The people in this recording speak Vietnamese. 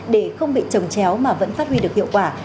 để không bị trồng chéo mà vẫn phát huy được hiệu quả